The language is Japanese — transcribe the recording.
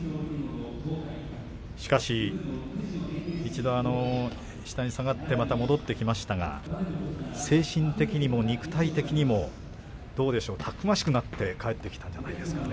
しかし一度下に下がってまた戻ってきましたが精神的にも肉体的にもどうでしょうかたくましくなって帰ってきたんじゃないですかね。